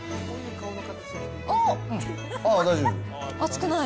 あっ、大丈夫。